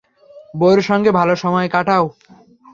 বৌয়ের সঙ্গে ভালো সময় কাটাও।